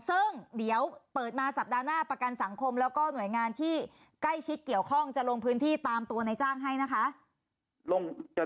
ซึ่งเดี๋ยวเปิดมาสัปดาห์หน้าประกันสังคมแล้วก็หน่วยงานที่ใกล้ชิดเกี่ยวข้องจะลงพื้นที่ตามตัวในจ้างให้นะคะ